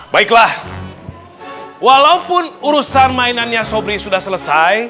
baiklah walaupun urusan mainannya sobri sudah selesai